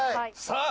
「さあ」